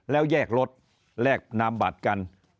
แล้วแยกรถแลกนามบัตรกัน